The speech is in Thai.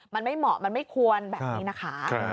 มันไม่เหมาะมันไม่ควรแบบนี้นะคะ